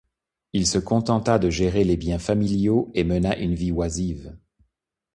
Il se contenta de gérer les bien familiaux et mena une vie oisive.